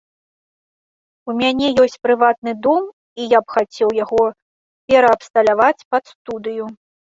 У мяне ёсць прыватны дом, і я б хацеў яго пераабсталяваць пад студыю.